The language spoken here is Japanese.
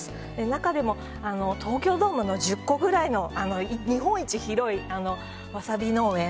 中でも東京ドーム１０個くらいの日本一広いわさび農園